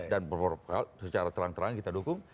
secara terang terang kita dukung